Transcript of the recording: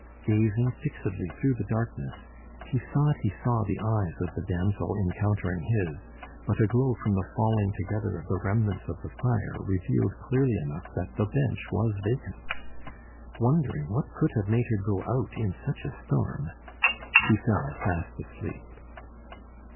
Gazing fixedly through the darkness, he thought he saw the eyes of the damsel encountering his, but a glow from the falling together of the remnants of the fire revealed clearly enough that the bench was vacant. Wondering what could have made her go out in such a storm, he fell fast asleep.